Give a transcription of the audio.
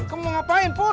kamu ngapain pur